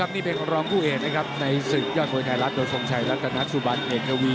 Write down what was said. อ๊อนี่เป็นร้องผู้เอกนะครับในศึกยอดมวยไทยรัฐโดยสวงชัยรัฐกรณาสุบัติเอกอาร์วี